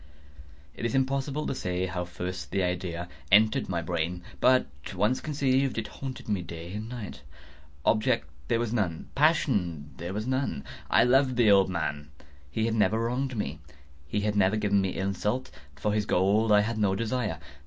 It is impossible to say how first the idea entered my brain; but once conceived, it haunted me day and night. Object there was none. Passion there was none. I loved the old man. He had never wronged me. He had never given me insult. For his gold I had no desire.